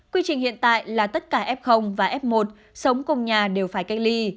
quy trình hiện tại là tất cả f và f một sống cùng nhà đều phải cách ly